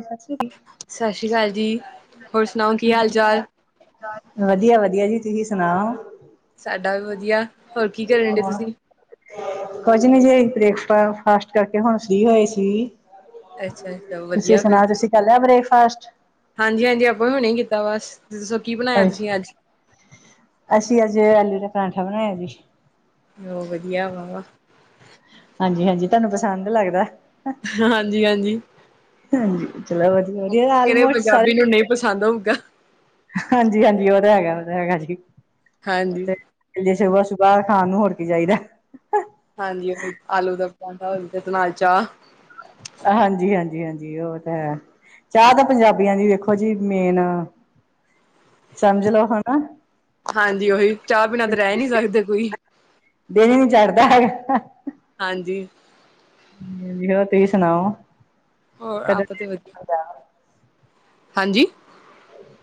ਸਤਿ ਸ਼ੀ੍ ਅਕਾਲ। ਸਤਿ ਸ਼੍ਰੀ ਅਕਾਲ ਜੀ, ਹੋਰ ਸੁਣਾਓ ਕੀ ਹਾਲ ਚਾਲ ਅਕਾਲ। ਵਧੀਆ ਵਧੀਆ ਜੀ, ਤੁਸੀਂ ਸੁਣਾਓ ਸਾਡਾ ਵੀ ਵਧੀਆਂ। ਹੋਰ ਕੀ ਕਰ ਕੁਝ ਨੀ ਜੇ ਬ੍ਰੇਕਫਾਸਟ ਕਰਕੇ ਹੁਣ ਫਰੀ ਹੋਏ ਸੀ। ਅੱਛਾ-ਅੱਛਾ ਤੁਸੀਂ ਸੁਣਾਓ, ਤੁਸੀਂ ਕਰ ਲਿਆ ਬ੍ਰੇਕਫਾਸਟ? ਹਾਂਜੀ ਹਾਂਜੀ, ਆਪਾਂ ਹੁਣੇ ਕੀਤਾ ਬਸ ਦੱਸੋ ਕੀ ਬਣਾਇਆ ਤੁਸੀਂ ਅੱਜ, ਅਸੀਂ, ਅੱਜ ਆਲੂ ਦਾ ਪਰਾਂਠਾ ਬਣਾਇਆ ਜੀ। ਹੋਰ ਵਧੀਆਂ ਵਾ ਵਾ ਹਾਂਜੀ ਹਾਂਜੀ, ਤੁਹਾਨੂੰ ਪਸੰਦ ਲੱਗਦਾ। ਹਾਂਜੀ, ਹਾਂਜੀ। ਹਾਂਜੀ, ਚਲੋ। ਵਧੀਆ ਵਧੀਆ ਕਿਹੜੇ ਆਲਮੋਸਟ ਪੰਜਾਬੀ ਸਾਰੇ ਨੂੰ ਨਹੀਂ ਪਸੰਦ ਹੋਊਗਾ। ਹਾਂਜੀ ਹਾਂਜੀ, ਉਹ ਤਾਂ ਹੈਗਾ, ਉਹ ਤਾਂ ਹੈਗਾ ਜੀ, ਉਹ ਤੇ ਹਾਂਜੀ-ਹਾਂਜੀ ਜੇ ਸੁਬਾਹ ਸੁਬਾਹ ਖਾਣ ਨੂੰ ਹੋਰ ਕੀ ਚਾਹੀਦਾ‌। ਹਾਂਜੀ, ਆਲੂ ਦਾ ਪਰਾਂਠਾ ਹੋ ਤੇ ਨਾਲ ਚਾਹ। ਹਾਂਜੀ, ਹਾਂਜੀ, ਹਾਂਜੀ ਉਹ ਤਾਂ ਹੈ। ਚਾਹ ਤਾਂ ਪੰਜਾਬੀਆਂ ਦੀ ਵੇਖੋ ਜੀ ਮੇਨ, ਸਮਝ ਲੋ ਹਨਾ। ਹਾਂਜੀ ਓਹੀ ਚਾਹ ਪੀਣਾ ਤਾਂ ਰਹਿ ਨਹੀਂ ਸਕਦੇ ਕੋਈ। ਦਿਨ ਹੀ ਨੀ ਚੜ੍ਹਦਾ ਹੈਗਾ ਹਾਂਜੀ ਤੁਸੀਂ ਸੁਣਾਓ ਹੋਰ ਆਪਾ ਤੇ ਹ [unintelligible] ਹਾਂਜੀ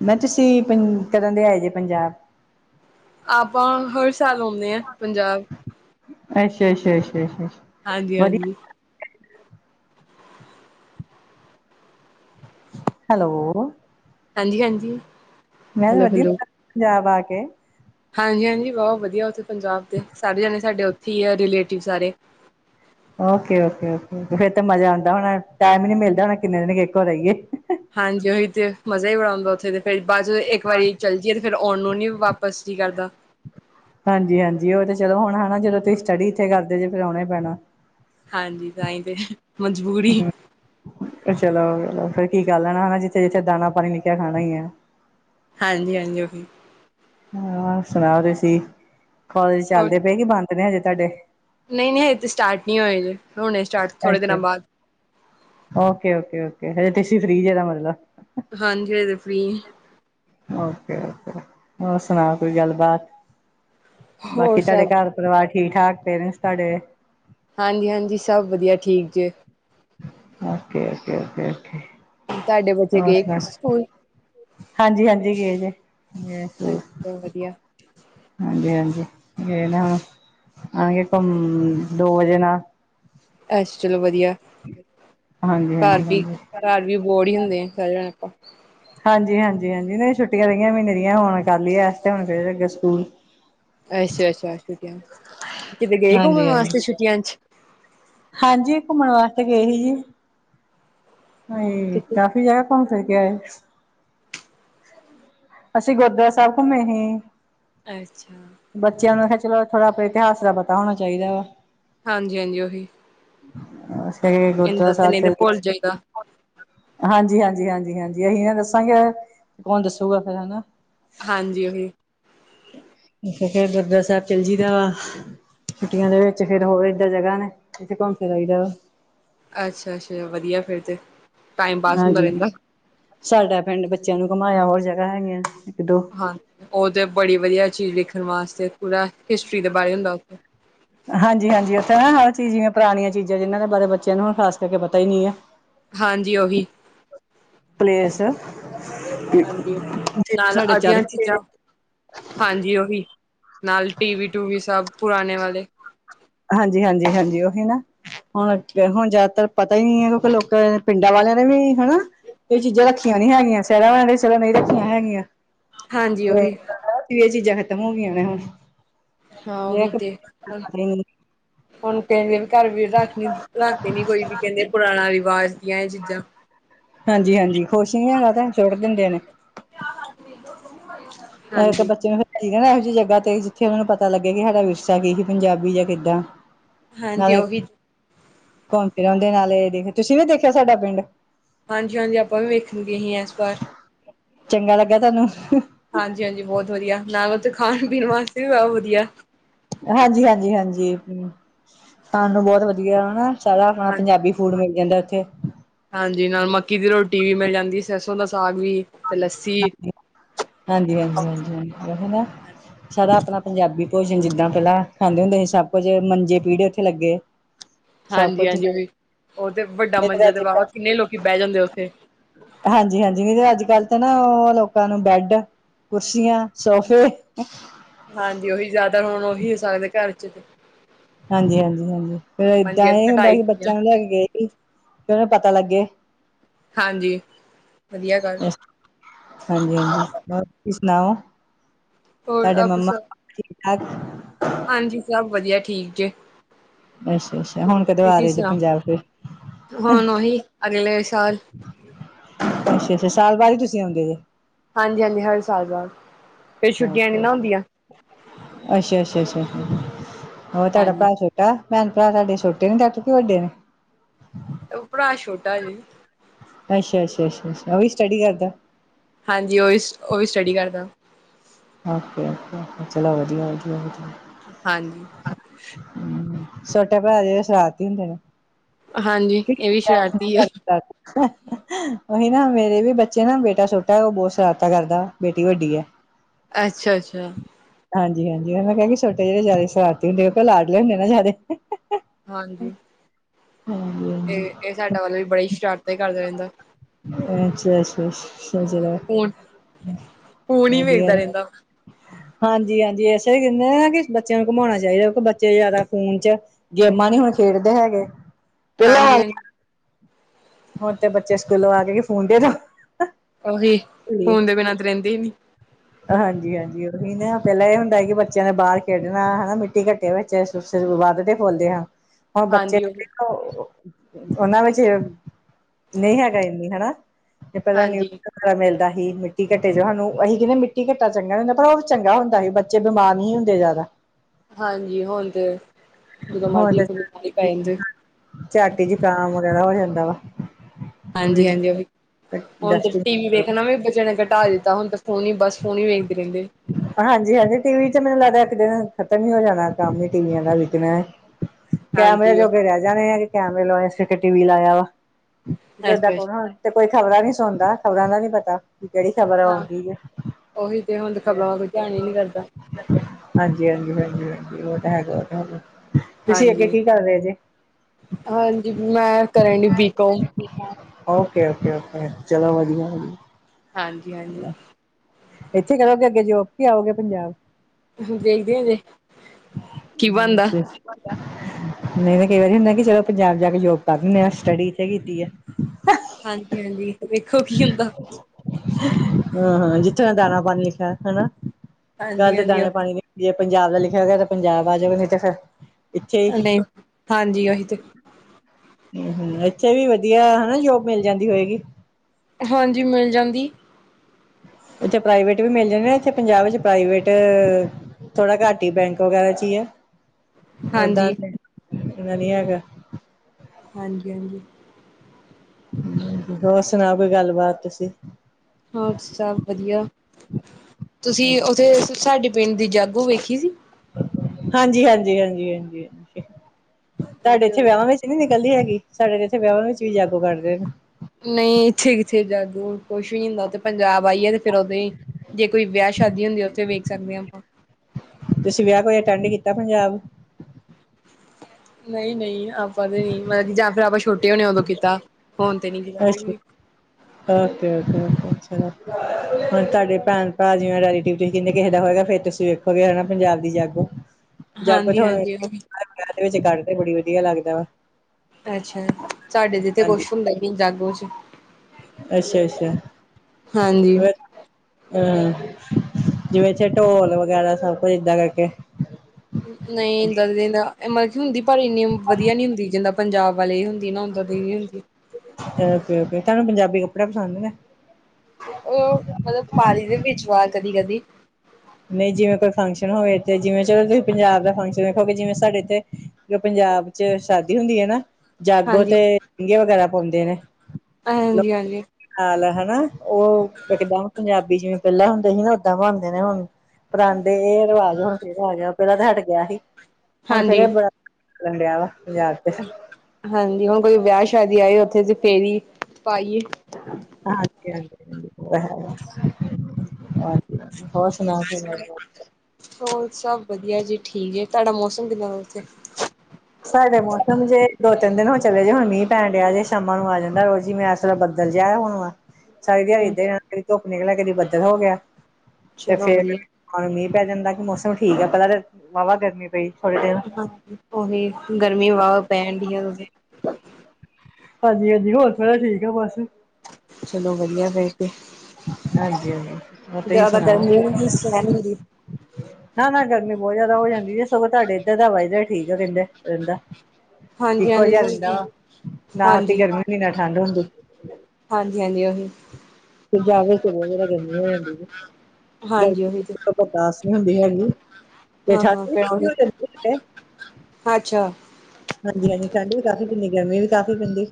ਮੈਂ ਤੁਸੀਂ ਪੰ ਕਦੋਂ ਦੇ ਆਏ ਜੇ ਪੰਜਾਬ ਆਪਾਂ ਹਰ ਸਾਲ ਆਉਂਨੇ ਹਾਂ ਪੰਜਾਬ ਅੱਛਾ ਅੱਛਾ ਅੱਛਾ ਅੱਛਾ ਅੱਛਾ ਹਾਂਜੀ ਵਧੀਆ ਹਾਂਜੀ ਹੈਲੋ ਹਾਂਜੀ ਹਾਂਜੀ ਮੈਂ ਵਧੀਆ ਲੱ ਪੰਜਾਬ ਆ ਕੇ ਹਾਂਜੀ ਹਾਂਜੀ ਬਹੁਤ ਵਧੀਆ ਉੱਥੇ ਪੰਜਾਬ ਦੇ ਸਾਰੇ ਜਾਣੇ ਸਾਡੇ ਉੱਥੇ ਹੀ ਆ ਰਿਲੇਟਿਵ ਸਾਰੇ ਓਕੇ ਓਕੇ ਓਕੇ ਫੇਰ ਤੇ ਮਜ਼ਾ ਆਉਂਦਾ ਹੋਣਾ ਟਾਈਮ ਹੀ ਨਹੀਂ ਮਿਲਦਾ ਹੋਣਾ ਕਿੰਨੇ ਦਿਨ ਕਿਕ ਕੋ ਰਹੀਏ ਹਾਂਜੀ ਉਹੀ ਤੇ ਮਜ਼ਾ ਹੀ ਬੜਾ ਆਉਂਦਾ ਉੱਥੇ ਤੇ ਫੇਰ ਬਾਅਦ ਜਦੋਂ ਇੱਕ ਵਾਰੀ ਚੱਲ ਜਈਏ ਤੇ ਫੇਰ ਆਉਣ ਨੂੰ ਨੀ ਵਾਪਸ ਜੀ ਕਰਦਾ ਹਾਂਜੀ ਹਾਂਜੀ ਉਹ ਤੇ ਚਲੋ ਹੁਣ ਹਨਾ ਜਦੋਂ ਤੁਸੀਂ ਸਟੱਡੀ ਇੱਥੇ ਕਰਦੇ ਜੇ ਫਿਰ ਆਉਣਾ ਹੀ ਪੈਣਾ ਹਾਂਜੀ ਤਾਂਹੀ ਤੇ ਮਜਬੂਰੀ ਚਲੋ ਫੇਰ ਕੀ ਗੱਲ ਹੈ ਨਾ ਜਿੱਥੇ ਜਿੱਥੇ ਦਾਣਾ ਪਾਣੀ ਲਿਖਿਆ ਖਾਣਾ ਹੀ ਹੈ ਹਾਂਜੀ ਹਾਂਜੀ ਉ ਹਾਂ ਸੁਣਾਓ ਤੁਸੀਂ ਕੋਲਜ ਚੱਲਦੇ ਪਏ ਕਿ ਬੰਦ ਨੇ ਹਜੇ ਤੁਹਾਡੇ ਨਹੀਂ ਨਹੀਂ ਹਜੇ ਤੇ ਸਟਾਰਟ ਨਹੀਂ ਹੋਏ ਜੇ ਹੋਣੇ ਸਟਾਰਟ ਥੋੜ੍ਹੇ ਦਿਨਾਂ ਅੱਛਾ। ਬਾਅਦ ਓਕੇ ਓਕੇ ਓਕੇ ਹਜੇ ਤੁਸੀਂ ਫ੍ਰੀ ਜੇ ਏਦਾ ਮਤਲਬ ਹਾਂਜੀ ਹਜੇ ਤੇ ਫ੍ਰੀ ਓਕੇ ਓਕੇ ਹੋਰ ਸੁਣਾ ਕੋਈ ਗੱਲ ਬਾਤ ਹੋਰ ਬਾਕੀ ਤੁਹਾਡੇ ਸਭ ਘਰ ਪਰਿਵਾਰ ਠੀਕ ਠਾਕ ਪੇਰੈਂਟਸ ਤੁਹਾਡੇ ਹਾਂਜੀ ਹਾਂਜੀ ਸਭ ਵਧੀਆ ਠੀਕ ਜੇ ਓਕੇ ਓਕੇ ਓਕੇ ਓਕੇ ਹੁਣ ਤੁਹਾਡੇ ਬੱਚੇ ਹੋਰ ਗਏ ਸੁਣਾ ਸਕੂਲ ਹਾਂਜੀ ਹਾਂਜੀ ਗਏ ਦੇ ਅੱਛਾ ਵਧੀਆ ਹਾਂਜੀ ਹਾਂਜੀ ਗਏ ਨਾ ਆਂਗੇ ਘਮ ਦੋ ਵਜੇ ਨਾਲ ਅਛ ਚਲੋ ਵਧੀਆ ਹਾਂਜੀ ਘਰ ਹਾਂਜੀ ਵੀ ਹਾਂਜੀ ਘਰ ਵੀ ਬੋਰ ਹੀ ਹੁੰਦੇ ਐ ਸਾਰਾ ਦਿਨ ਹ [unintelligible] ਹਾਂਜੀ ਹਾਂਜੀ ਹਾਂਜੀ ਨਹੀਂ ਛੁਟੀਆਂ ਰਹੀਆਂ ਮਹੀਨੇ ਦੀਆਂ ਹੋਣ ਕਰ ਲੀ ਐਸ਼ ਹੁਣ ਫੇਰ ਅੱਗੇ ਸਕੂਲ ਅੱਛਾ ਅੱਛਾ ਛੁੱਟੀਆਂ ਕਿਤੇ ਗਏ ਹਾਂਜੀ ਘੁੰਮਣ ਹਾਂਜੀ ਵਾਸਤੇ ਛੁੱਟੀਆਂ ਚ ਹਾਂਜੀ ਘੁੰਮਣ ਵਾਸਤੇ ਗਏ ਸੀ ਜੀ ਕਿਤੇ? ਕਾਫ਼ੀ ਜਗਾ ਘੁੰਮ ਫਿਰ ਕੇ ਆਏ ਹ [unintelligible] ਅਸੀਂ ਗੁਰਦੁਆਰਾ ਸਾਹਿਬ ਘੁੰਮੇ ਸੀ ਅੱਛਾ ਬੱਚਿਆਂ ਨੂੰ ਕਿਹਾ ਚਲੋ ਥੋੜ੍ਹਾ ਆਪ ਇਤਿਹਾਸ ਦਾ ਪਤਾ ਹੋਣਾ ਚਾਹੀਦਾ ਵਾ ਹਾਂਜੀ ਹਾਂਜੀ ਉਹੀ ਸਟੇ ਗੁਰਦੁਆਰਾ ਇੰਦਾ ਤਾਂ ਨਹੀਂ ਤੇ ਭੁੱਲ ਸਾਹਿਬ ਜਾਈਦਾ। ਹਾਂਜੀ ਹਾਂਜੀ ਹਾਂਜੀ ਹਾਂਜੀ ਅਸੀਂ ਨਾ ਦੱਸਾਂਗੇ ਕੌਣ ਦੱਸੂਗਾ ਫੇਰ ਹਨਾ ਹਾਂਜੀ ਉਹੀ। ਅ ਗੁਰਦੁਆਰਾ ਸਾਹਿਬ ਚਿਲਜੀ ਦਾ ਵਾ। ਛੁੱਟੀਆਂ ਦੇ ਵਿੱਚ ਫੇਰ ਹੋਰ ਏਦਾਂ ਜਗ੍ਹਾ ਨੇ, ਜਿੱਥੇ ਘੁੰਮ ਫਿਰਦਾ ਵਾ। ਅੱਛਾ ਅੱਛਾ ਵਧੀਆ ਫਿਰ ਤੇ। ਟਾਈਮ ਪਾਸ ਹੁੰਦਾ ਹਾਂਜੀ ਰਹਿੰਦਾ ਸਾਡਾ ਪਿੰਡ ਬੱਚਿਆਂ ਨੂੰ ਘੁਮਾਇਆ, ਹੋਰ ਜਗ੍ਹਾ ਹੈਗੀਆਂ ਇੱਕ ਦੋ ਹਾਂਜੀ ਉਹ ਤੇ ਬੜੀ ਵਧੀਆ ਚੀਜ਼ ਦੇਖਣ ਵਾਸਤੇ, ਪੂਰਾ ਹਿਸਟਰੀ ਦੇ ਬਾਰੇ ਹੁੰਦਾ ਉੱਥੇ। ਹਾਂਜੀ ਹਾਂਜੀ, ਉੱਥੇ ਨਾ ਹਰ ਚੀਜ਼ ਜਿਵੇਂ ਪੁਰਾਣੀਆਂ ਚੀਜ਼ਾਂ, ਜਿਨਾਂ ਦੇ ਬਾਰੇ ਬੱਚਿਆਂ ਨੂੰ ਹੁਣ ਖਾਸ ਕਰਕੇ ਪਤਾ ਹੀ ਨਹੀਂ ਹੈ। ਹਾਂਜੀ ਉਹੀ। ਪਲੇਸ ਹਾਂਜੀ ਜਿਵੇਂ ਨਾਲ ਸਾਡੇ ਅੱਧੀਆਂ ਚੜਕੇ ਚੀਜ਼ਾਂ ਹਾਂਜੀ ਉਹੀ ਨਾਲ ਟੀਵੀ ਟੂਵੀ ਸਭ ਪੁਰਾਣੇ ਵਾਲੇ। ਹਾਂਜੀ, ਹਾਂਜੀ, ਹਾਂਜੀ ਉਹੀ ਨਾ। ਹੁਣੱ ਹੁਣ ਜਿਆਦਾਤਰ ਪਤਾ ਹੀ ਨੀ ਹੈ, ਕਿਉਂਕਿ ਲੋਕਾਂ ਪਿੰਡਾਂ ਵਾਲਿਆਂ ਨੇ ਵੀ, ਹੈ ਨਾ ਇਹ ਚੀਜ਼ਾਂ ਰੱਖੀਆਂ ਨੀ ਹੈਗੀਆਂ ਸੈਰਾਂ ਵਾਲਣ ਸਾਂ ਨਹੀਂ ਰੱਖੀਆਂ ਹੈਗੀਆਂ। ਹਾਂਜੀ, ਉਹੀ। ਵੀ ਇਹ ਚੀਜ਼ਾਂ ਖਤਮ ਹੋ ਗਈਆਂ ਨੇ ਹੁਣ ਹਾਂ ਉਹੀ ਤੇ ਹੁਣ ਕਹਿੰਦੇ ਆ ਵੀ ਘਰ ਵੀ ਰੱਖੀ ਰੱਖ ਕੇ ਨੀ, ਕੋਈ ਵੀ ਕਹਿੰਦੇ ਪੁਰਾਣਾ ਰਿਵਾਜ਼ ਦੀਆਂ ਇਹ ਚੀਜ਼ਾਂ। ਹਾਂਜੀ ਹਾਂਜੀ ਖੁਸ਼ ਨੀ ਹੈਗਾ ਤੇ ਛੁੱਟ ਦਿੰਦੀਆਂ ਨੇ। ਹ ਇਹ ਬੱਚੇ ਨੂੰ ਫੇਰ ਠੀਕ ਹੈ ਨਾ ਇਹੋ ਜਿਹੀ ਜਗ੍ਹਾ ਤੇ ਜਿੱਥੇ ਉਹਨਾਂ ਨੂੰ ਪਤਾ ਲੱਗੇ ਕਿ ਸਾਡਾ ਵਿਰਸਾ ਕੀ ਸੀ ਪੰਜਾਬੀ ਜਾਂ ਕਿੱਦਾਂ, ਹਾਂਜੀ ਨਾਲੇ ਉਹ ਵੀ। ਘੁੰਮ ਫਿਰ ਆਂਦੇ ਨਾਲੇ ਦੇਖ ਤੁਸੀਂ ਵੀ ਦੇਖਿਆ ਸਾਡਾ ਪਿੰਡ। ਹਾਂਜੀ, ਹਾਂਜੀ, ਆਪਾਂ ਵੀ ਵੇਖਣਗੇ ਹੀ ਇਸ ਵਾਰ। ਚੰਗਾ ਲੱਗਾ ਤੁਹਾਨੂੰ। ਹਾਂਜੀ ਹਾਂਜੀ ਬਹੁਤ ਵਧੀਆ ਨਾਲ ਉਥੇ ਖਾਣ ਪੀਣ ਵਾਸਤੇ ਵੀ ਬਹੁਤ ਵਧੀਆ। ਹਾਂਜੀ ਹਾਂਜੀ ਹਾਂਜੀ ਸਾਨੂੰ ਬਹੁਤ ਵਧੀਆ ਹੈ, ਨਾ ਸਾਰਾ ਆਪਣਾ ਹਾਂਜੀ। ਪੰਜਾਬੀ, ਫੂਡ ਮਿਲ ਜਾਂਦਾ ਉੱਥੇ। ਹਾਂਜੀ ਨਾਲ ਮੱਕੀ ਦੀ ਰੋਟੀ ਵੀ ਮਿਲ ਜਾਂਦੀ, ਸਰਸੋਂ ਦਾ ਸਾਗ ਵੀ। ਤੇ ਲੱਸੀ। ਹਾਂਜੀ ਹਾਂਜੀ ਹਾਂਜੀ ਹ ਨਾ ਸਾਰਾ ਆਪਣਾ ਪੰਜਾਬੀ ਭੋਜਨ, ਜਿੱਦਾਂ ਪਹਿਲਾਂ ਖਾਂਦੇ ਹੁੰਦੇ ਸੀ, ਸਭ ਕੁੱਝ ਮੰਜੇ ਪੀੜੇ ਉੱਥੇ ਲੱਗੇ। ਸਭ ਹਾਂਜੀ, ਕੁੱਝ ਹਾਂਜੀ, ਉਹ ਵੀ ਉਹ ਤੇ ਵੱਡਾ ਮੰਜ਼ਾ ਤੇ ਵ ਕਿੰਨੇ ਲੋਕੀ ਬਹਿ ਜਾਂਦੇ ਉੱਥੇ। ਹਾਂਜੀ, ਹਾਂਜੀ, ਵੀ ਅੱਜ ਕੱਲ੍ਹ ਤੇ ਨਾ ਉਹ ਲੋਕਾਂ ਨੂੰ ਬੈਡ, ਕੁਰਸੀਆਂ, ਸੋਫੇ ਹਾਂਜੀ, ਉਹੀ ਜ਼ਿਆਦਾ ਹੁਣ ਉਹੀ ਹੋ ਸਕਦੇ ਘਰ ਚ ਤੇ ਹਾਂਜੀ, ਹਾਂਜੀ, ਹਾਂਜੀ, ਫਿਰ ਏਦਾਂ ਮੰਜੀਆਂ ਇਹ ਤੇ ਹੁੰਦਾ, ਘਟਾਈ ਕਿ ਦੀਆਂ। ਬੱਚਿਆਂ ਨੂੰ ਲੈ ਕੇ ਗਏ ਸੀ। ਫੇਰ ਉਹਨੂੰ ਪਤਾ ਲੱਗੇ, ਹਾਂਜੀ ਵਧੀਆ ਗੱਲ। ਹਾਂਜੀ, ਹਾਂਜੀ, ਹੋਰ ਤੁਸੀ ਸੁਣਾਓ, ਹੋਰ ਤੁਹਾਡੇ ਆਪ ਮੰਮਾ ਸਭ ਠੀਕ ਠਾਕ। ਹਾਂਜੀ ਸਭ ਵਧੀਆ ਠੀਕ ਜੇ ਅੱਛਾ ਅੱਛਾ, ਹੁਣ ਕਦੋਂ ਆ ਤੁਸੀਂ ਰਹੇ ਜੀ ਸੁਣਾਓ ਪੰਜਾਬ ਚ ਹੁਣ ਉਹੀ ਅਗਲੇ ਸਾਲ। ਅੱਛਾ ਅੱਛਾ, ਸਾਲ ਬਾਅਦ ਹੀ ਤੁਸੀਂ ਆਉਂਦੇ ਜੇ। ਹਾਂਜੀ, ਹਾਂਜੀ, ਹਰ ਸਾਲ ਬਾਅਦ। ਫੇਰ ਛੁੱਟੀਆਂ ਨੀ ਨਾ ਹੁੰਦੀਆਂ ਅੱਛਾ, ਅੱਛਾ, ਅੱਛਾ, ਹੋ ਤੁਹਾਡਾ ਭਰਾ ਹਾਂਜੀ ਹੋ ਭੈਣ ਭਰਾ ਤਾਡੇ ਛੋਟੇ ਨੇ ਤਾਡੇ ਕੇ ਵੱਡੇ ਨੇ? ਉਹ ਭਰਾ ਛੋਟਾ ਜੀ। ਅੱਛਾ, ਅੱਛਾ, ਅੱਛਾ, ਉਹ ਵੀ ਸਟੱਡੀ ਕਰਦਾ? ਹਾਂਜੀ, ਉਹ ਵੀ ਸ ਉਹ ਵੀ ਸਟੱਡੀ ਕਰਦਾ। ਓਕੇ ਓਕੇ, ਚਲੋ ਵਧੀਆ ਵਧੀਆ। ਹਾਂਜੀ। ਹਮ ਛੋਟੇ ਭਰਾ ਜ ਸ਼ਰਾਰਤੀ ਹੀ ਹੁੰਦੇ ਨੇ। ਹਾਂਜੀ ਕ ਇਹ ਵੀ ਸ਼ਰਾਰਤੀ ਆ ਕਰ ਉਹੀ ਨਾ ਮੇਰੇ ਵੀ ਬੱਚੇ ਨਾ ਬੇਟਾ ਛੋਟਾ, ਉਹ ਬਹੁਤ ਸ਼ਰਾਰਤਾ ਕਰਦਾ ਬੇਟੀ ਵੱਡੀ ਹੈ। ਅੱਛਾ, ਅੱਛਾ। ਹਾਂਜੀ, ਹਾਂਜੀ, ਉਹ ਮੈਂ ਕਿਹਾ ਕਿ ਛੋਟੇ ਜਿਹੜੇ ਜ਼ਿਆਦਾ ਸਰਾਰਤੀ ਹੁੰਦੇ, ਉਹ ਤਾਂ ਲਾਡਲੇ ਹੁੰਦੇ ਨਾ ਜ਼ਿਆਦਾ। ਹਾਂਜੀ ਹਾਂਜੀ-ਹਾਂਜੀ ਇਹ ਇਹ ਸਾਡਾ ਵੱਲ ਵੀ ਬੜੀ ਸ਼ਰਾਰਤ ਕਰਦਾ ਰਹਿੰਦਾ। ਅ ਅੱਛਾ, ਅੱਛਾ, ਫੋਨ ਫੋਨ ਹੀ ਵਧੀਆ ਵੇਖਦਾ ਰਹਿੰਦਾ ਹਾਂਜੀ, ਹਾਂਜੀ, ਏਸੇ ਕਹਿੰਦੇ ਨਾ ਕਿ ਬੱਚਿਆਂ ਨੂੰ ਘੁਮਾਉਣਾ ਚਾਹੀਦਾ, ਕਿ ਬੱਚੇ ਜ਼ਿਆਦਾ ਫੋਨ ਚ, ਗੇਮਾਂ ਨੀ ਹੁਣ ਖੇਡਦੇ ਹੈਗੇ। ਹਾਂਜੀ, ਪਹਿਲਾਂ ਹਾਂਜੀ। ਹੁਣ ਤੇ ਬੱਚੇ ਸਕੂਲੋਂ ਆ ਕੇ ਕੇ ਫੋਨ ਦੇ ਦੋ। ਉਹੀ ਫੋਨ ਦੇ ਬਿਨਾਂ ਤੇ ਰਹਿੰਦੇ ਹੀ ਨੀ। ਹਾਂਜੀ, ਹਾਂਜੀ, ਉਹੀ ਨਾ ਪਹਿਲਾਂ ਇਹ ਹੁੰਦਾ ਸੀ, ਕਿ ਬੱਚਿਆਂ ਨੇ ਬਾਹਰ ਖੇਡਣਾ ਹਨਾ, ਮਿੱਟੀ ਕੱਟੇ ਵਿੱਚ। ਬੱਚੇ ਵਧੇ ਬੋਲਦੇ ਹ ਹੁਣ ਬੱਚੇਹ ਹਾਂਜੀ ਉਹੀ ਉਹਨਾਂ ਵਿੱਚ ਨਹੀਂ ਹੈਗਾ, ਇੰਨੀ ਹਨਾ, ਇਹ ਪਹਿਲਾਂ ਹਾਂਜੀ ਨਿਊਜ਼ ਮਿਲਦਾ ਸੀ ਮਿੱਟੀ ਘੱਟੇ ਜੋ ਸਾਨੂੰ, ਅਸੀਂ ਕਹਿੰਦੇ ਮਿੱਟੀ ਘਟਾ ਚੰਗਾ ਨਹੀਂ ਹੁੰਦਾ। ਪਰ ਉਹ ਚੰਗਾ ਹੁੰਦਾ ਸੀ। ਬੱਚੇ ਬਿਮਾਰ ਨਹੀਂ ਹੁੰਦੇ ਜ਼ਿਆਦਾ। ਹਾਂਜੀ, ਹੁਣ ਤੇ ਜਦੋਂ ਮਰਜ਼ੀ ਬਿਮਾਰੀ ਪੈ ਜਾਂਦੀ ਝਾਟੀ ਜ ਕਮ ਵਗੈਰਾ ਹੋ ਜਾਂਦਾ ਵਾ। ਥੋੜੀ ਹਾਂਜੀ, ਹਾਂਜੀ, ਜਿਹੀ ਉਹੀ ਹੁਣ ਡਸਟਿੰਗ ਟੀ ਵੀ ਦੇਖ ਕਹਿੰਦਾ ਵੀ ਬੱਚੇ ਨੇ ਘਟਾ ਦਿੱਤਾ, ਹੁਣ ਫੋਨ ਹੀ ਬਸ ਫੋਨ ਹੀ ਵੇਖਦੇ ਰਹਿੰਦੇ ਹਾਂਜੀ, ਹਾਂਜੀ ਟੀ ਵੀ ਚ, ਮੈਨੂੰ ਲੱਗਦਾ ਇੱਕ ਦਿਨ ਖਤਮ ਹੀ ਹੋ ਜਾਣਾ, ਕੰਮ ਹੀ ਟੀਵੀਆਂ ਦਾ ਲਕ ਕੈਮਰੇ ਹਾਂਜੀ ਉਹ ਜੋਗੇ ਰਹਿ ਜਾਣੇ ਆ, ਕਿ ਕੈਮਰੇ ਲਾਏ ਫਿਰ ਟੀ ਵੀ ਲਾਇਆ ਵਾ ਦਾਂ ਅੱਛਾ ਅੱਛਾ ਕੌਣ ਹਣ ਤੇ ਕੋਈ ਖ਼ਬਰਾਂ ਨੀ ਸੁਣਦਾ ਖ਼ਬਰਾਂ ਦਾ ਨੀ ਪਤਾ। ਕਿਹੜੀ ਖ਼ਬਰ ਹਾਂ ਆਉਗੀ ਜ। ਉਹੀ ਤੇ ਹੁਣ ਖ਼ਬਰਾਂ ਕੋ ਧਿਆਨ ਹੀ ਨੀ ਕਰਦਾ। ਹਾਂਜੀ, ਹਾਂਜੀ, ਹਾਂਜੀ, ਉਹ ਤਾਂ ਹੈਗਾ। ਤੁਸੀਂ ਅੱਗੇ ਹਾਂਜੀ, ਕੀ ਕਰ ਰਹੇ ਜੇ ਹਾਂਜੀ, ਮੈਂ ਕਰਨਾਂ ਡ ਬੀਕੋਮ। ਓਕੇ ਓਕੇ ਓਕੇ ਚਲੋ ਵਧੀਆ। ਹਾਂਜੀ, ਹਾਂਜੀ। ਵਧੀਆ ਇੱਥੇ ਕਰੋਗੇ ਅੱਗੇ ਜੋਓ ਕਿ ਆਓਗੇ ਪੰਜਾਬ। ਦੇਖਦੇ ਹਾਂ ਜੇ, ਹਮ ਸ ਨਹੀਂ ਤਾਂ ਕਈ ਵਾਰੀ ਹੁੰਦਾ, ਕਿ ਚਲੋ ਪੰਜਾਬ ਜਾ ਕੇ ਜੋਬ ਕਰ ਦਿੰਦੇ ਆ ਸਟੱਡੀ ਇੱਥੇ ਕੀਤੀ ਆ। ਹਾਂਜੀ, ਹਾਂਜੀ ਵੇਖੋ ਕੀ ਹੁੰਦਾ। ਹਾਂ ਹਾਂ ਜਿੱਥੇ ਮੈਂ ਦਾਣਾ ਪਾਣੀ ਲਿਖਿਆ, ਹਨਾ ਗੱਲ ਤੇ ਹਾਂਜੀ-ਹਾਂਜੀ ਦਾਣੇ ਪਾਣੀ ਲਿ ਜੇ ਪੰਜਾਬ ਦਾ ਲਿਖਿਆ ਹੋ ਗਿਆ, ਤਾਂ ਪੰਜਾਬ ਆ ਜਾਓਗਾ, ਨਹੀਂ ਤੇ ਫਿਰ ਇੱਥੇ ਹੀ ਨਹੀਂ, ਹਾਂਜੀ ਉਹੀ ਤੇ ਹਮ ਹਮ ਇੱਥੇ ਵੀ ਵਧੀਆ ਹਨਾ, ਜੋਬ ਮਿਲ ਜਾਂਦੀ ਹੋਏਗੀ। ਹਾਂਜੀ, ਮਿਲ ਜਾਂਦੀ। ਇੱਥੇ ਪ੍ਰਾਈਵੇਟ ਵੀ ਮਿਲ ਜਾਂਦੇ, ਇਥੇ ਪੰਜਾਬ ਵਿੱਚ ਪ੍ਰਾਈਵੇਟ ਥੋੜਾ ਘੱਟ ਹੀ ਬੈਂਕ ਵਗੈਰਾ ਚ ਹੀ ਹੈ। ਓਦਾਂ ਹਾਂਜੀ। ਇਨਾ ਨੀ ਹੈਗਾ ਹਾਂਜੀ, ਹਾਂਜੀ। ਕ ਹੋਰ ਸੁਣਾ ਕੋਈ ਗੱਲਬਾਤ ਤੁਸੀਂ? ਹੋਰ ਸਭ ਵਧੀਆ, ਤੁਸੀਂ ਉੱਥੇ ਸਾਡੇ ਪਿੰਡ ਦੀ ਜਾਗੋ ਵੇਖੀ ਸੀ। ਹਾਂਜੀ, ਹਾਂਜੀ, ਹਾਂਜੀ, ਹਾਂਜੀ ਹ ਉਹ ਤੁਹਾਡੇ ਇੱਥੇ ਤੇ ਵਿਆਹਾਂ ਵਿੱਚ ਨੀ ਨਿਕਲਦੀ ਹੈਗੀ, ਸਾਡੇ ਇੱਥੇ ਵਿਆਹਾਂ ਵਿੱਚ ਵੀ ਜਾਗੋ ਕਰਦੇ ਨੇ। ਨਹੀਂ ਇੱਥੇ ਕਿੱਥੇ ਜਾਗੂ ਕੁਛ ਨੀ ਹੁੰਦਾ ਪੰਜਾਬ ਵਾਈਏ ਤੇ ਫੇਰ ਉਦੋਂ ਹੀ ਜੇ ਕੋਈ ਵਿਆਹ ਸ਼ਾਦੀ ਹੁੰਦੀ ਉੱਥੇ ਵੇਖ ਸਕਦੇ ਹਾਂ ਆਪਾਂ ਤੁਸੀਂ ਵਿਆਹ ਕੋਈ ਅਟੈਂਡ ਕੀਤਾ ਪੰਜਾਬ? ਨਹੀਂ ਨਹੀਂ ਆਪਾਂ ਤੇ ਨੀ, ਮਤਲਬ ਕਿ ਜਾਂ ਫਿਰ ਆਪਾਂ ਛੋਟੇ ਹੋਣੇ, ਉਦੋਂ ਕੀਤਾ ਫੋਨ ਤੇ ਨੀ ਅੱਛਾ ਓਕੇ ਓਕੇ ਓਕੇ, ਅੱਛਾ ਹੁਣ ਤੁਹਾਡੇ ਭੈਣ ਭਰਾ ਜਿਵੇਂ ਰੈਲੇਟਿਵ, ਤੁਂ ਜੰਨੇ ਕਿਸੇ ਦਾ ਹੋਏਗਾ ‌। ਫਿਰ ਤੁਸੀਂ ਤੁਸੀਂ ਵੇਖੋਗੇ ਹਨਾ ਨਾ, ਪੰਜਾਬ ਦੀ ਜਾਗੋ। ਜਾਗੋ ਤੇ ਹਾਂਜੀ ਹੁਣ ਹਾਂਜੀ ਉਹ ਵੀ ਹਰ ਵਿਆਹ ਵਿੱਚ ਕਰਦੇ, ਬੜੀ ਵਧੀਆ ਲੱਗਦਾ ਵਾਂ। ਅੱਛਾ, ਸਾਡੇ ਤੇਥ ਕੁਛ ਹੁੰਦਾ ਨੀ ਜਾਗੋ ਵਿੱਚ। ਅੱਛਾ ਅੱਛਾ, ਹਾਂਜੀ ਹਮ ਜਿਵੇਂ ਇੱਥੇ ਢੋਲ ਵਗੈਰਾ, ਸਭ ਕੁਝ ਏਦਾਂ ਕਰਕੇ। ਨਹੀਂ ਦੱਸ ਮਤਲਬ ਹੁੰਦੀ, ਪਰ ਇੰਨੀ ਵਧੀਆ ਨੀ ਹੁੰਦੀ ਜਿੰਦਾ, ਪੰਜਾਬ ਵਾਲੇ ਹੁੰ‌। ਦੀਨਾ ਹੁੰਦਾ, ਦੀਵ ਹੁੰਦੀ। ਓਕੇ ਓਕੇ ਤੁਹਾਨੂੰ ਪੰਜਾਬੀ ਕੱਪੜਾ ਪਸੰਦ ਹੈ। ਉਹ ਮਤਲਬ ਪਾਰੀ ਦੇ ਵਿੱਚਵਾ ਕਦੀ ਕਦੀ, ਨਹੀਂ ਜਿਵੇਂ ਕੋਈ ਫੰਕਸ਼ਨ ਹੋਵੇ, ਤੇ ਜਿਵੇਂ ਚਲੋ ਤੁਸੀਂ ਪੰਜਾਬ ਦਾ ਫੰਕਸ਼ਨ ਵੇਖੋਗੇ, ਜਿਵੇਂ ਸਾਡੇ ਇਥੇ। ਪੰਜਾਬ ਚ ਸ਼ਾਦੀ ਹੁੰਦੀ ਹੈ ਨਾ, ਜਾਗੋ ਹਾਂਜੀ ਤੇ ਦੀਏ ਵਗੈਰਾ ਘੁੰਮਦੇ ਨੇ, ਹਾਂਜੀ ਹਾਂਜੀ। ਹਾਲ ਹਨਾ, ਉਹ ਇੱਕੱਦਾਂ ਪੰਜਾਬੀ ਜਿਵੇਂ ਪਹਿਲਾਂ ਹੁੰਦੇ ਸੀ ਨਾ, ਓਦਾਂ ਬਣਦੇ ਨੇ ਹੁਣ ਪਰਾਂਦੇ ਇਹ ਰਿਵਾਜ਼ ਹੁਣ, ਫੇਰ ਆ ਗਿਆ ਪਹਿਲਾਂ ਤਾਂ ਹਟ ਗਿਆ ਸੀ, ਹੁਣ ਫੇਰ ਹਾਂਜੀ ਇਹ ਲੱਗ ਰਿਹਾ ਬਾਜ਼ਾਰ। ਹਾਂਜੀ, ਹੁਣ ਕੋਈ ਵਿਆਹ ਸ਼ਾਦੀ ਆਏ, ਉੱਥੇ ਤੇ ਫੇਰੀ ਪਾਈਏ ਅੱਛਾ, ਹੋਰ ਸੁਣਾਓ ਹੋਰ ਸਭ ਵਧੀਆ ਜੀ, ਠੀਕ ਜ ਤੁਹਾਡਾ ਮੌਸਮ ਕਿੱਦਾਂ ਦਾ ਉੱਥੇ। ਸਾਡੇ ਮੌਸਮ ਜੇ ਦੋ ਤਿੰਨ ਦਿਨ ਹੋ ਚਲੇ ਜੇ ਹੁਣ ਮੀਂਹ ਪੈ ਡਿਆ ਜੇ ਸ਼ਾਮਾਂ ਨੂੰ ਆ ਜਾਂਦਾ ਰੋਜ਼ ਹੀ ਮੈਂ, ਮਤਲਬ ਬੱਦਲ ਜਾਇਆ ਹੋਣ ਵਾ। ਸਾਰੀ ਦਿਹਾੜੀਧਾਂ ਕਦੀ ਧੁੱਪ ਨਿਕਲਿਆ ਕਦੀ ਬੱਦਲ ਹੋ ਗਿਆ। ਤੇ ਚਲੋ ਫੇਰ, ਵਧੀਆ ਹੁਣ ਮੀਂਹ ਪੈ ਜਾਂਦਾ। ਕਿ ਮੌਸਮ ਠੀਕ ਹੈ, ਪਤਾ ਵਾਹ ਵਾ ਗਰਮੀ ਪਈ ਥੋੜੇ ਦਿਨ ਹਾਂਜੀ, ਉ ਓਹੀ ਗਰਮੀ ਵਾ ਵਾ ਪੈਣਡੀ ਹੈ। ਹਾਂਜੀ ਹਾਂਜੀ ਹੋਰ, ਸਾਂ ਠੀਕ ਆ ਬਸ। ਚਲੋ, ਵਧੀਆ ਫੇਰ, ਹਾਂਜੀ ਹਾਂਜੀ ਹੋਰ ਤੁਸੀਂ ਜਿਆਦਾ ਸੁਣਾਓ ਗਰਮੀ ਸਹਿਣ ਹੁੰਦੀ ਨਾ ਨਾ ਗਰਮੀ ਬਹੁਤ ਜ਼ਿਆਦਾ ਹੋ ਜਾਂਦੀ ਹੈ, ਸਗੋਂ ਤੁਹਾਡੇ ਇੱਧਰ ਦਾ ਵਾਦਰ ਹੀ ਠੀਕ ਆ ਕਹਿੰਦੇ ਰਹਿੰਦਾ। ਹਾਂਜੀ ਇੱਕੋ ਹਾਂਜੀ ਜਿਹਾ ਹਾਂਜੀ ਰਹਿੰਦਾ ਵ ਨਾ ਤੇ ਗਰਮੀ ਨਾ ਠੰਢ ਹੁੰਦੀ। ਹਾਂਜੀ ਹਾਂਜੀ, ਉਹੀ। ਪੰਜਾਬ ਵਿੱਚ ਬਹੁਤ ਜ਼ਿਆਦਾ ਗਰਮੀ ਹੋ ਜਾਂਦੀ, ਹਾਂਜੀ ਉਹੀ ਤੇ ਗਰਮੀ ਬਰਦਾਸ਼ਤ ਨਹੀਂ ਹੁੰਦੀ ਹੈਗੀ। ਤੇ ਹਾਂ ਹਾਂ, ਠੰਡ ਵੀ ਕਾਫੀ ਹੋ ਜਾਂਦੀ ਹੈ ਅੱਛਾ ਹਾਂਜੀ ਹਾਂਜੀ, ਠੰਢ ਵੀ ਕਾਫ਼ੀ ਪੀਦੀ ਗਰਮੀ ਵੀ ਕਾਫ਼ੀ ਪੈਂਦੀ।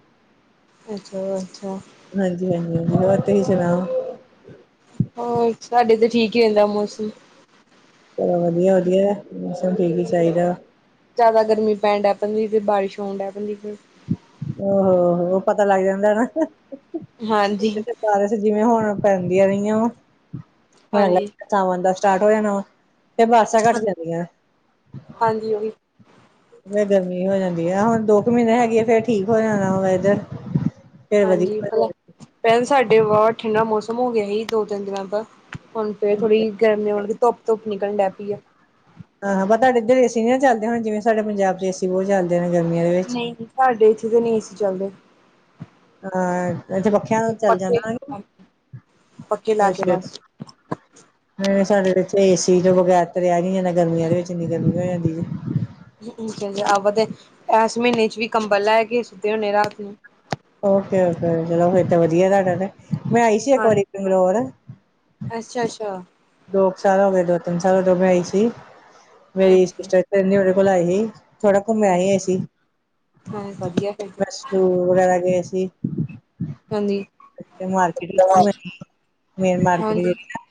ਅੱਛਾ-ਅੱਛਾ। ਹਾਂਜੀ -ਹਾਂਜੀ- ਹਾਂਜੀ- ਹੋਰ ਤੁਸੀਂ ਸੁਣਾਓ। ਹੋਰ ਸਾਡੇ ਤੇ ਠੀਕ ਹੀ ਰਹਿੰਦਾ ਮੌਸਮ ਚਲੋ, ਵਧੀਆ-ਵਧੀਆ, ਮੌਸਮ ਠੀਕ ਹੀ ਚਾਹੀਦਾ। ਜ਼ਿਆਦਾ ਗਰਮੀ ਪੈਣ ਡ ਭਜੀ ਫ ਬਾਰਿਸ਼ ਹੋਣ ਡ ਭ ਫਿਰ ਆੋ ਉਹ ਪਤਾ ਲੱਗ ਜਾਂਦਾ ਨਾ। ਹਾਂਜੀ। ਬਾਰਸ਼ ਜਿਵੇਂ ਹੁਣ ਪੈਂਦੀਆਂ ਰਹੀਆਂ ਵਾ, ਹੁਣ ਏਹ ਹਾਂਜੀ ਲਪਤਾਵਾਂ ਦਾ ਸਟਾਰਟ ਹੋ ਜਾਣਾ ਵਾ। ਫਿਰ ਬਸਾਂ ਘੱਟ ਜਾਂਦੀਆਂ। ਹਾਂਜੀ। ਫਰ ਗਰਮੀ ਹੋ ਜਾਂਦੀ ਆ ਹੁਣ ਦੋ ਕੁ ਮਹੀਨੇ ਹੈਗੀ ਆ ਫੇਰ ਠੀਕ ਹੋ ਜਾਣਾ ਵੈਦਰ। ਫੇਰ ਹਾਂਜੀ, ਵਧੀਆ ਪਹਿਲਾਂ ਸਾਡੇ ਵਾਵਾ ਠੰਡਾ ਮੌਸਮ ਹੋ ਗਿਆ ਸੀ ਦੋ-ਤਿੰਨ ਦਿਨਾਂ ਦਾ। ਹੁਣ ਫੇਰ ਥੋੜੀ ਗਰਮੀ ਹੋਣ ਧੁੱਪ-ਧੁੱਪ ਨਿਕਲਣੈ ਪਈ ਏ। ਹਾਂ, ਤੁਹਾਡੇ ਇੱਧਰ ਏਸੀ ਨ ਨਾ ਚੱਲਦੇ ਹੁਣ ਜਿਵੇਂ, ਸਾਡੇ ਪੰਜਾਬ ਚ ਏਸੀ ਬਹੁਤ ਚੱਲਦੇ ਨੇ ਗਰਮੀਆਂ ਦੇ ਵਿੱਚ। ਸਾਹਾਡੇ ਇੱਥੇ ਤੇ ਨਹੀਂ ਸੀ ਚੱਲਦੇ। ਹਾਂ ਇੱਥੇ ਪੱਖਿਆਂ ਚੱਲ ਪੱਖੇ ਜਾਂਦਾ, ਪੱਖੇ ਲਾ ਕੇ ਅੱਛਾ ਬਸ [unintelligible] ਸਾਡੇ ਇਥੇ ਏ ਸੀ ਤੋਂ ਬਗੈਰ ਤਾਂ ਰਿਹਾ ਨੀ ਜਾਂਦਾ ਗਰਮੀਆਂ ਦੇ ਵਿੱਚ ਇੰਨੀ ਗਰਮੀ ਹੋ ਜਾਂਦੀ। ਆਵ ਤੇ ਐਸ ਮਹੀਨੇ ਚ ਵੀ ਕੰਬਲ ਲੈ ਕੇ ਸੁੱਤੇ ਹਨੇ ਰਾਤ ਨੂੰ। ਓਕੇ-ਓਕੇ ਚਲੋ ਫੇਰ ਤੇ ਵਧੀਆ ਤੁਹਾਡਾ ਤੇ ਮੈਂ ਆਈ ਸੀ ਇੱਕ ਵਾਰੀ ਬੰਗਲੋਰ ਅੱਛਾ-ਅੱਛਾ ਦੋ ਕੁ ਸਾਲ ਹੋ ਗਏ ਦੋ ਤਿੰਨ ਸਾਲ ਉਦੋਂ ਮੈਂ ਆਈ ਸੀ ਮੇਰੀ ਅੱਛਾ ਸਿਸਟਰ ੲਥੇ ਰੇਦੀ ਉਹਦੇ ਕੋਲ ਆਈ ਸੀ। ਥੋੜਾ ਘੁੰਮ ਆਏ ਐ ਸੀ, ਹਾਂ ਵਧੀਆ ਫਿਰ ਤੇ ਵਸ਼ਲੂ ਵਗੈਰਾ ਗਏ ਸੀ। ਹਾਂਜੀ ਮੈਂ ਮਾਰਕੀਟ ਵਿੱਚ ਘੁੰਮ ਰਹੀ ਮੇਨ ਮਾਰਕੀਟ ਹਾਂਜੀ ਜੇਹੜੀ ਆ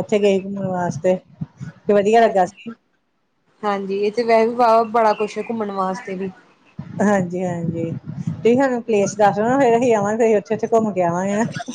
ਉੱਥੇ ਗਏ ਘੁੰਮਣ ਵਾਸਤੇ ਤੇ ਵਦੀਆ ਲੱਗਾ ਹਾਂਜੀ ਸੀ ਹਾਂਜੀ ਇੱਥੇ ਵੈਸ ਵੀ ਵਾਹ ਬੜਾ ਕੁੱਛ ਹੈ, ਘੁੰਮਣ ਵਾਸਤੇ ਵੀ ਹਾਂਜੀ-ਹਾਂਜੀ ਤੁਸੀਂ ਸਾਨੂੰ ਹਮ ਪਲੇਸ ਦੱਸਦੇਨਾ ਫੇਰ ਅਸੀਂ ਆਵਾਂਗੇ ਅਸੀਂ ਉੱਥੇ-ਉੱਥੇ ਘੁੰਮ ਕੇ ਆਵਾਂਗੇ ਨਾ।